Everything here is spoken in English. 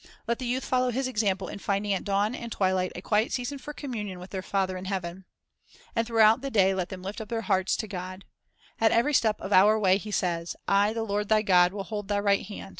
Let the youth follow His example in finding at dawn and twilight a The Saviour's ■ .7 .. Example quiet season for communion with their Father in heaven. And throughout the day let them lift up their hearts to God. At every step of our way He says, "I the Lord thy God will hold thy right hand